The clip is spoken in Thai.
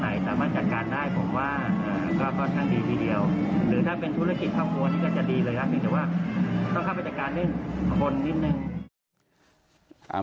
แต่ว่าต้องเข้าไปจากการเล่นคนนิดนึง